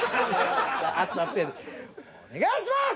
お願いします！